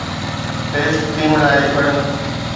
test team لاء پڻ